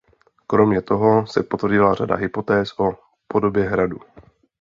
Kromě toho se potvrdila řada hypotéz o podobě hradu.